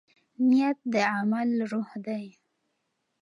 نیت د عمل روح دی.